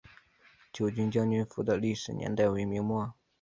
九军将军府的历史年代为明末。